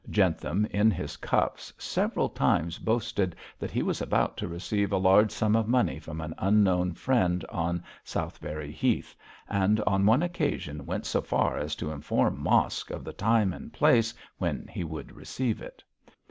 Jentham, in his cups, several times boasted that he was about to receive a large sum of money from an unknown friend on Southberry Heath, and on one occasion went so far as to inform Mosk of the time and place when he would receive it.